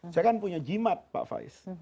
saya kan punya jimat pak faiz